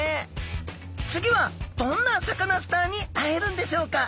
次はどんなサカナスターに会えるんでしょうか。